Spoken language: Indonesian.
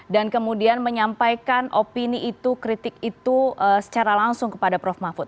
dan kemudian menyampaikan opini itu kritik itu secara langsung kepada prof mahfud